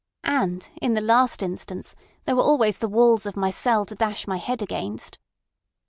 And, in the last instance, there were always the walls of my cell to dash my head against."